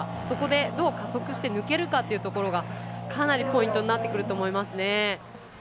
そこで、どう加速して抜けるかというところがかなりポイントになってくると思いますね。